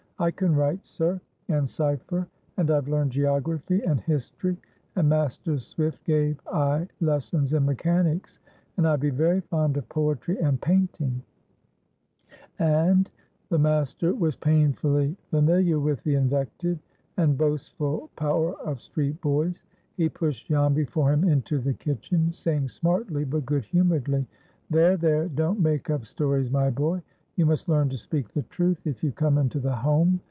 "I can write, sir, and cipher. And I've learned geography and history, and Master Swift gave I lessons in mechanics, and I be very fond of poetry and painting, and"— The master was painfully familiar with the inventive and boastful powers of street boys. He pushed Jan before him into the kitchen, saying smartly, but good humoredly, "There, there! Don't make up stories, my boy. You must learn to speak the truth, if you come into the Home.